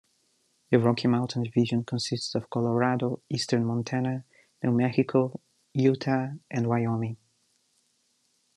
The Rocky Mountain Division consists of Colorado, Eastern Montana, New Mexico, Utah, and Wyoming.